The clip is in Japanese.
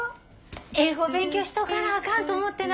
英語勉強しとかなあかんと思ってな。